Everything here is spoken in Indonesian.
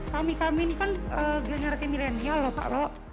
kami kami ini kan generasi milenial lho pak roh